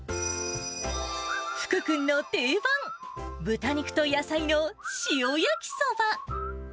福君の定番、豚肉と野菜の塩焼きそば。